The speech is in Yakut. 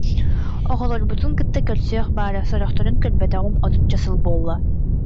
Оҕолорбутун кытта көрсүөх баара, сорохторун көрбөтөҕум отучча сыл буолла